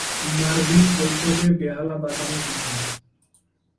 Marvin শৈশবে বেহালা বাজানো শিখেন।